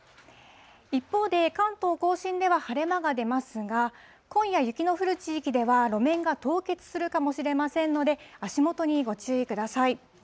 一方で、関東甲信では晴れ間が出ますが、今夜、雪の降る地域では、路面が凍結するかもしれませんので、足元にご注意ください。